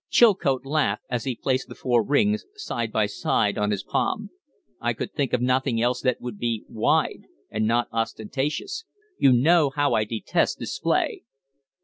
Chilcote laughed as he placed the four rings side by side on his palm. "I could think of nothing else that would be wide and not ostentatious. You know how I detest display."